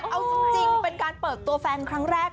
เอาจริงเป็นการเปิดตัวแฟนครั้งแรก